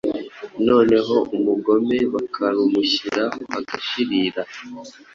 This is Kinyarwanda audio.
noneho umugome bakarumushyiraho agashirira.